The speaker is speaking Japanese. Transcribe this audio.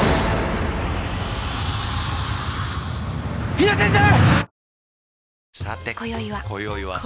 比奈先生！